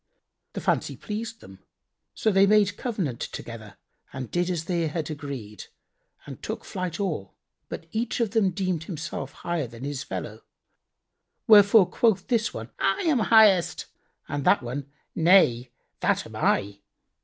The fancy pleased them; so they made covenant together and did as they had agreed and took flight all, but each of them deemed himself higher than his fellow; wherefore quoth this one, "I am highest," and that, "Nay, that am I."